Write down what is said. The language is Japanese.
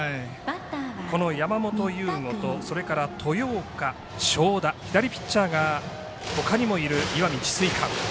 山本由吾とそれから豊岡、正田左ピッチャーが、ほかにもいる石見智翠館。